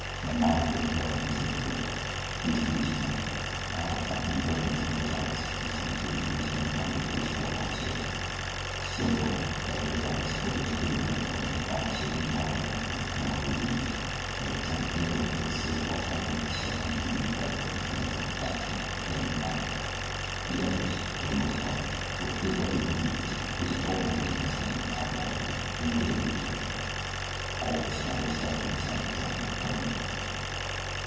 "My monacker's Byrne," said Billy. "Pleased to meet you, Cap." "Ah, Captain Byrne," and Rozales proceeded to introduce the newcomer to his fellow officers. Several, like Rozales, were educated men who had been officers in the army under former regimes, but had turned bandit as the safer alternative to suffering immediate death at the hands of the faction then in power. The others, for the most part, were pure blooded Indians whose adult lives had been spent in outlawry and brigandage. All were small of stature beside the giant, Byrne.